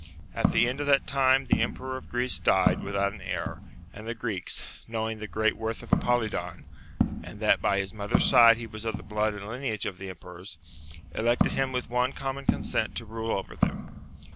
At the end of that time the emperor of Greece died without an heir, and the Greeks, knowing the great worth of Apolidon, and that by his mother's side he was of the blood and lineage of the emperors, elected him with one common consent to rule over them.